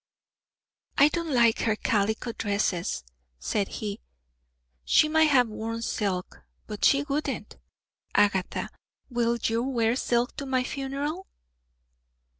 "I don't like her calico dresses," said he. "She might have worn silk, but she wouldn't. Agatha, will you wear silk to my funeral?"